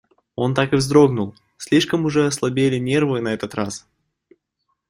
Он так и вздрогнул, слишком уже ослабели нервы на этот раз.